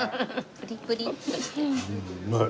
プリプリッとして。